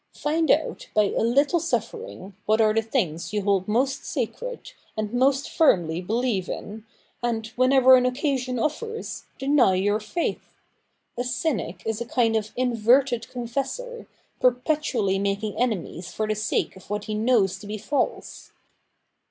Find out, by a httle suffering, what are the things you hold most sacred, and most firmly believe in, and, whenever an occasion offers, deny your faith. A cynic is a kind of inverted confessor, perpetually making enemies for the sake of what he knows to be false.'